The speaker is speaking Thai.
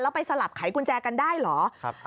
ไปสลับไขกุญแจกันได้เหรอ